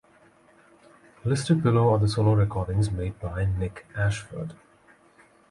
Listed below are solo recordings made by Nick Ashford.